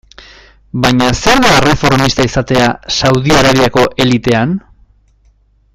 Baina zer da erreformista izatea Saudi Arabiako elitean?